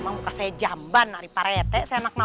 emang muka saya jamban dari pak rete